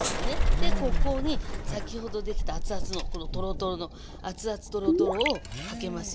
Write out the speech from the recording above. でここに先ほどできたアツアツのこのトロトロのアツアツトロトロをかけますよ。